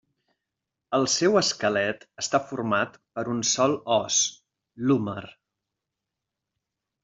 El seu esquelet està format per un sol os: l'húmer.